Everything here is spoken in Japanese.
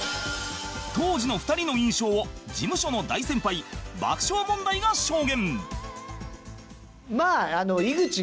当時の２人の印象を事務所の大先輩爆笑問題が証言